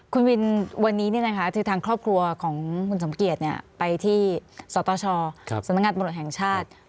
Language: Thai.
คุณวินวันนี้คือทางครอบครัวของคุณสมเกียจไปที่สตชสำนักงานตำรวจแห่งชาติ